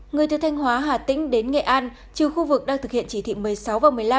người từ thanh hóa hà tĩnh đến nghệ an trừ khu vực đang thực hiện chỉ thị một mươi sáu và một mươi năm